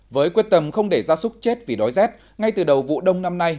với quyết tâm không để gia súc chết vì đói rét ngay từ đầu vụ đông năm nay